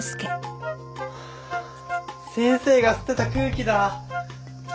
先生が吸ってた空気だ。